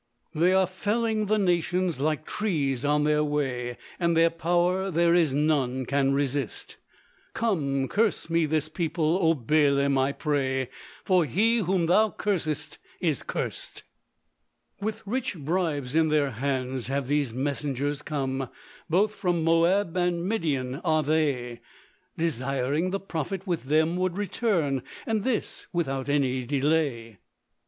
They are felling the nations like trees on their way, And their power there is none can resist; "Come, curse me this people, oh! Balaam, I pray, For he whom thou cursest is curst." With rich bribes in their hands have these messengers come, Both from Moab and Midian are they; Desiring the Prophet with them would return, And this without any delay.